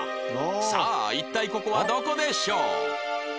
さあ一体ここはどこでしょう？